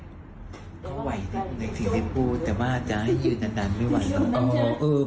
ก็ไหวนะสิทธิ์ที่พูดแต่ว่าจะให้ยืนนานไม่ไหวแล้ว